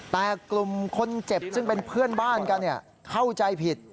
แต่กลุ่มคนเจ็บซึ่งเป็นเพื่อนบ้านกันเข้าใจผิด